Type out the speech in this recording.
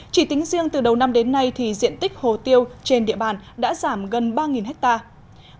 chỉ tính riêng từ đầu năm đến nay thì diện tích hồ tiêu trên địa bàn đã giảm gần ba hectare